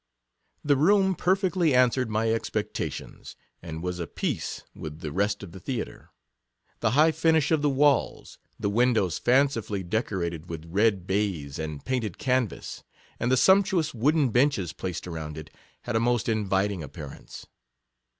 The room perfectly answered my expecta 44 I tions, and was a piece with the rest of the Theatre : the high finish of the walls, the windows fancifully decorated with red baize and painted canvas, and the sumptuous wooden benches placed around it, had a most inviting appearance.